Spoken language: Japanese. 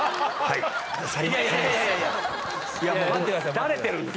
いやいや待ってください。